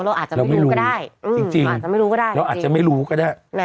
เราอาจจะไม่รู้ก็ได้อืมอาจจะไม่รู้ก็ได้จริงจริงเราอาจจะไม่รู้ก็ได้นะ